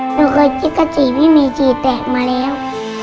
หนูเคยชิ้นกระจีไม่มีจริงแตกมาแล้ว